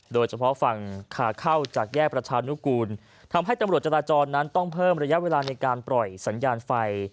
โดยเฉพาะฝั่งขาเข้าจากแยกประชานุกูลทำให้ตำรวจจราจรนั้นต้องเพิ่มระยะเวลาในการปล่อยสัญญาณไฟ